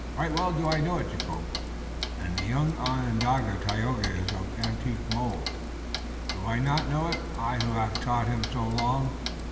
"Right well do I know it, Jacobus." "And the young Onondaga, Tayoga, is of the antique mold. Do I not know it, I who haf taught him so long?